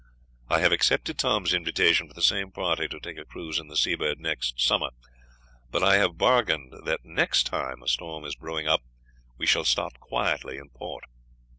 I have accepted Tom's invitation for the same party to take a cruise in the Seabird next summer, but I have bargained that next time a storm is brewing up we shall stop quietly in port."